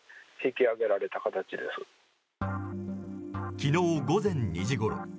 昨日午前２時ごろ。